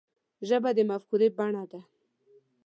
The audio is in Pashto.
ژبه د مفکورې بڼه ده